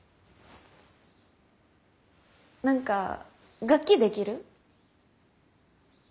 何か楽器できる？